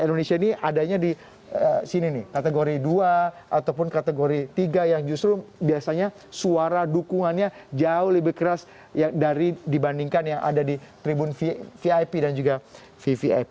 indonesia ini adanya di sini nih kategori dua ataupun kategori tiga yang justru biasanya suara dukungannya jauh lebih keras dibandingkan yang ada di tribun vip dan juga vvip